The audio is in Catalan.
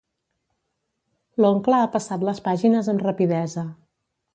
L'oncle ha passat les pàgines amb rapidesa.